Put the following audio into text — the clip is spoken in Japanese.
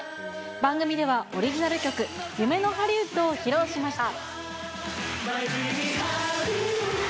番組では、オリジナル曲、夢のＨｏｌｌｙｗｏｏｄを披露しました。